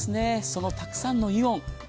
そのたくさんのイオン。